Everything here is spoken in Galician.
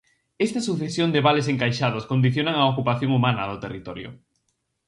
Esta sucesión de vales encaixados condicionan a ocupación humana do territorio.